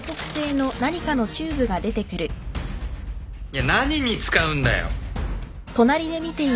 いや何に使うんだよ！